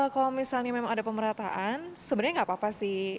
kalau misalnya memang ada pemerataan sebenarnya nggak apa apa sih